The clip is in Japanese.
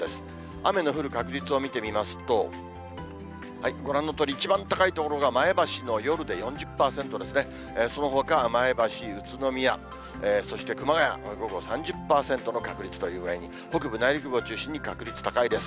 雨の降る確率を見てみますと、ご覧のとおり、一番高い所が前橋の夜で４０％ですね、そのほか前橋、宇都宮、そして熊谷、午後３０％の確率という具合に、北部、内陸部を中心に確率高いです。